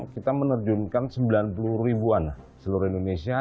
kita menerjunkan sembilan puluh ribuan seluruh indonesia